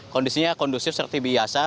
kondisinya kondusif serti biasa